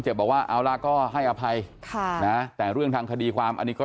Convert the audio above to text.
บอกว่าเอาล่ะก็ให้อภัยค่ะนะแต่เรื่องทางคดีความอันนี้ก็